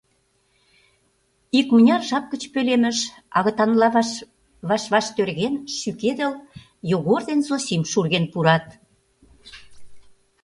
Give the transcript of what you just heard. Икмыняр жап гыч пӧлемыш, агытанла ваш-ваш тӧрген, шӱкедыл, Йогор ден Зосим шурген пурат.